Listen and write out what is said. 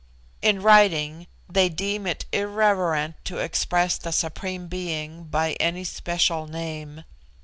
In writing, they deem it irreverent to express the Supreme Being by any special name.